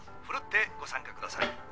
奮ってご参加ください。